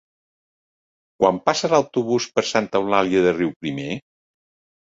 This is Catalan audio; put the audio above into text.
Quan passa l'autobús per Santa Eulàlia de Riuprimer?